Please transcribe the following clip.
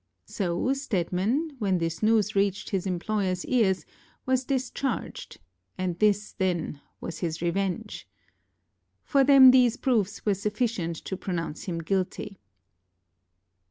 So Stedman, when this news reached his employerŌĆÖs ears, was discharged, and this, then, was his revenge! For them, these proofs were sufficient to pronounce him guilty.